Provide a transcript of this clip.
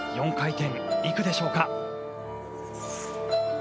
４回転行くでしょうか。